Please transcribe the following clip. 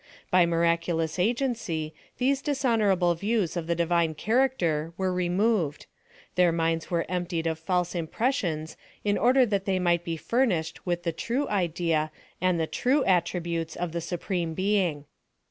By miraculous agency these dishonorable views of the Divine character were removed — their minds were emptied of false impressions in order that they might be furnished with the true idea and the true attributes of the Supreme Being.